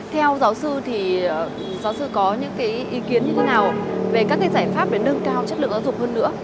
theo giáo sư thì giáo sư có những ý kiến như thế nào về các giải pháp để nâng cao chất lượng giáo dục hơn nữa